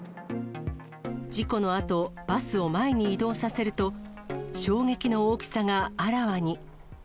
事故のあと、バスを前に移動させると、衝撃の大きさがあらわに。